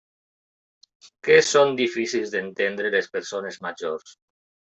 Que són difícils d'entendre, les persones majors!